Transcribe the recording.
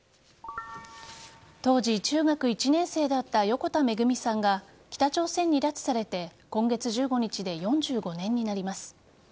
当時、中学１年生だった横田めぐみさんが北朝鮮に拉致されて今月１５日で４５年になります。